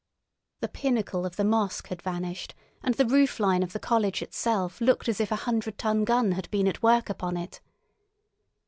The pinnacle of the mosque had vanished, and the roof line of the college itself looked as if a hundred ton gun had been at work upon it.